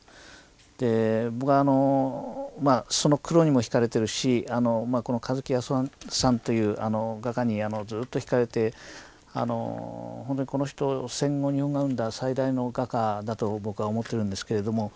で僕はあのまあその黒にも引かれてるしこの香月泰男さんという画家にずっと引かれて本当にこの人戦後日本が生んだ最大の画家だと僕は思ってるんですけれども。